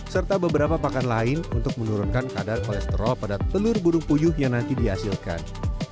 serta beberapa pakan lain untuk menurunkan kadar kolesterol pada telur burung puyuh yang nanti dihasilkan